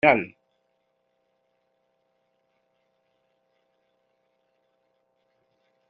Ocho canciones se clasificaron para la final.